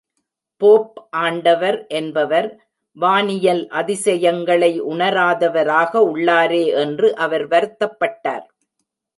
Pope ஆண்டவர் என்பவர், வானியல் அதிசயங்களை உணராதவராக உள்ளாரே என்று அவர் வருத்தப்பட்டார்!